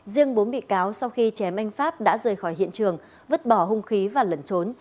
riêng bốn bị cáo sau khi chém anh pháp đã rời khỏi hiện trường vứt bỏ hung khí và lẩn trốn